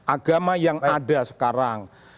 agama yang ada sekarang